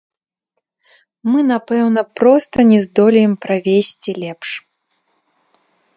Мы, напэўна, проста не здолеем правесці лепш.